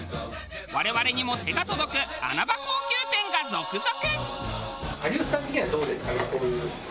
我々にも手が届く穴場高級店が続々！